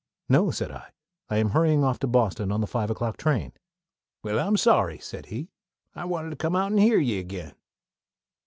"No," said I. "I am hurrying off to Boston on the five o'clock train." "Well, I'm sorry," said he. "I wanted to come out and hear ye again."